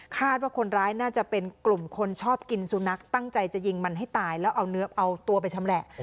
คาดว่าคนร้ายน่าจะเป็นกลุ่มคนชอบกินสุนัขตั้งใจจะยิงมันให้ตายแล้วเอาเนื้อเอาตัวไปชำแหละ